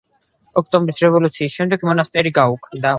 ოქტომბრის რევოლუციის შემდეგ მონასტერი გაუქმდა.